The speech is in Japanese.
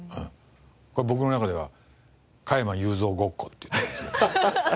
これ僕の中では「加山雄三ごっこ」って言ってるんですよ。